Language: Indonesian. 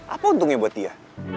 apa untungnya buat dia